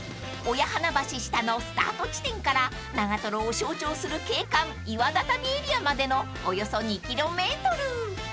［親鼻橋下のスタート地点から長瀞を象徴する景観岩畳エリアまでのおよそ２ｋｍ］